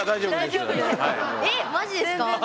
えっマジですか？